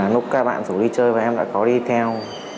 lúc các bạn xuống đi chơi và em đã có đi theo